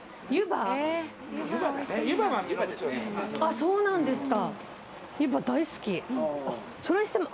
そうなんですか。